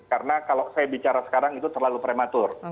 karena kalau saya bicara sekarang itu terlalu prematur